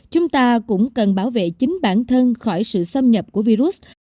chúng ta cũng cần bảo vệ chính bản thân khỏi sự xâm nhập của virus